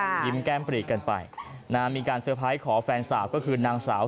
ใยมกิมแก้มปลีกกันไปมีการเซอร์ไพรคอแฟนสาวก็คือนางสาว